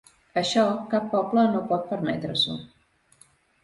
Això, cap poble no pot permetre-s’ho.